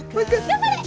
頑張れ！